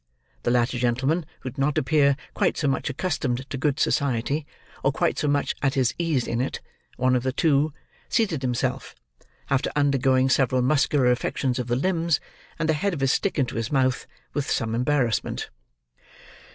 The latter gentleman, who did not appear quite so much accustomed to good society, or quite so much at his ease in it—one of the two—seated himself, after undergoing several muscular affections of the limbs, and the head of his stick into his mouth, with some embarrassment.